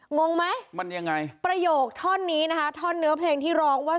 งงไหมมันยังไงประโยคท่อนนี้นะคะท่อนเนื้อเพลงที่ร้องว่า